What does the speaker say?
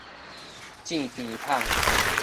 糋甜麭